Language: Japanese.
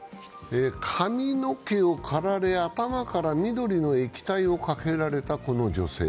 髪の毛を刈られ頭から緑の液体をかけられたこの女性。